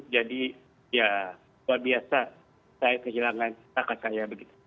jadi ya luar biasa saya kehilangan kakak saya begitu